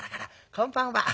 『こんばんは』。